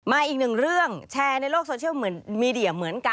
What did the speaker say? อีกหนึ่งเรื่องแชร์ในโลกโซเชียลเหมือนมีเดียเหมือนกัน